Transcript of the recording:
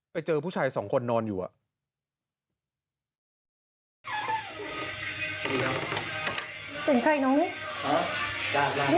ไปเจอผู้ชายสองคนนอนอยู่อ่ะ